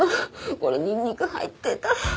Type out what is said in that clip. これニンニク入ってた。